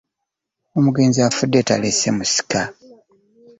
Omugenzi afudde talese musika